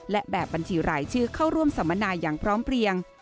และแบบบัญชีรายชื่อเข้าร่วมสัมมนาอย่างพร้อมเพลียง